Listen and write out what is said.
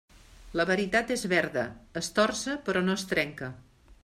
La veritat és verda; es torça però no es trenca.